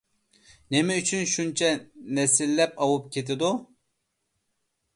نېمە ئۈچۈن شۇنچە نەسىللەپ ئاۋۇپ كېتىدۇ؟